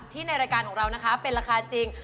ในรายการของเรานะคะเป็นราคาจริง